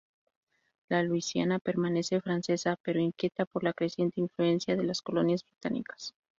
La Luisiana permanece francesa, pero inquieta por la creciente influencia de las colonias británicas.